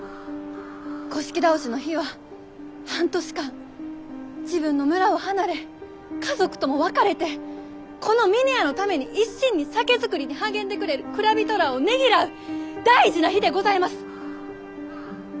倒しの日は半年間自分の村を離れ家族とも別れてこの峰屋のために一心に酒造りに励んでくれる蔵人らあをねぎらう大事な日でございます！